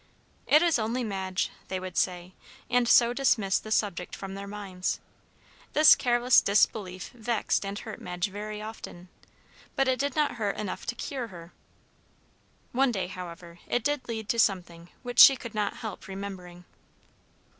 "It is only Madge!" they would say, and so dismiss the subject from their minds. This careless disbelief vexed and hurt Madge very often, but it did not hurt enough to cure her. One day, however, it did lead to something which she could not help remembering.